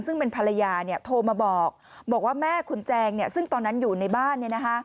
ซึ่งเป็นภรรยาโทรมาบอกบอกว่าแม่คุณแจงซึ่งตอนนั้นอยู่ในบ้าน